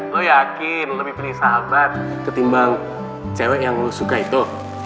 lo yakin lebih beri sahabat ketimbang cewek yang suka itu